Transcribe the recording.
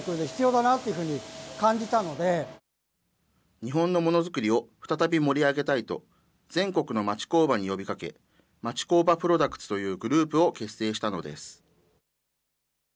日本のモノづくりを再び盛り上げたいと、全国の町工場に呼びかけ、町工場プロダクツというグループを結成したのです。